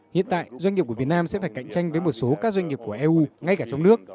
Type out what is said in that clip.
hiện tại doanh nghiệp của việt nam sẽ phải cạnh tranh với một số các doanh nghiệp của eu ngay cả trong nước